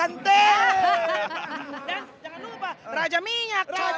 dan jangan lupa raja minyak